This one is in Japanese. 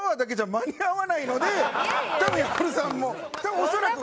多分山本さんも恐らく。